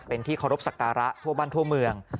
เป็นที่เคารพสักการะทั่วบ้านทั่วเมือง